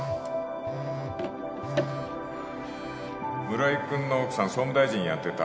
・村井君の奥さん総務大臣やってた